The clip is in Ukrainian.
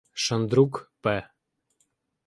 Шандрук П.